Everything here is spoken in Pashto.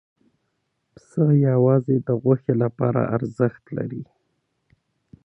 پسه یوازې د غوښې لپاره ارزښت لري.